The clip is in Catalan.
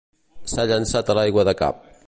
S'ha llançat a l'aigua de cap.